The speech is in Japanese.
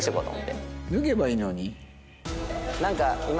脱げばいいのに。